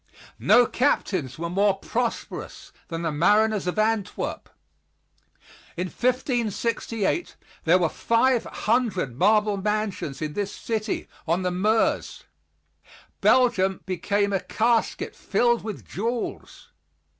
No captains were more prosperous than the mariners of Antwerp. In 1568 there were 500 marble mansions in this city on the Meuse. Belgium became a casket filled with jewels.